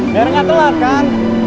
biar gak telat kan